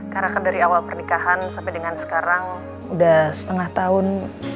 karena kan dari awal pernikahan sampai dengan sekarang udah setengah tahun